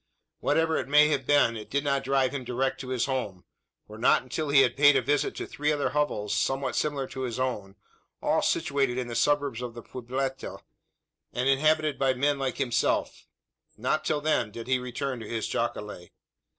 Whatever it may have been it did not drive him direct to his home: for not until he had paid a visit to three other hovels somewhat similar to his own all situated in the suburbs of the pueblita, and inhabited by men like himself not till then, did he return to his jacale.